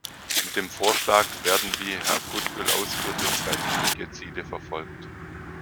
Mit dem Vorschlag werden, wie Herr Goodwill ausführte, zwei wichtige Ziele verfolgt.